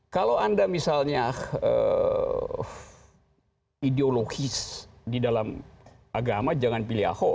kalau anda misalnya ideologis di dalam agama jangan pilih ahok